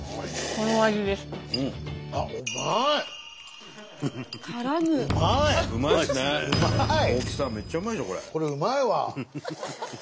これうまいわ。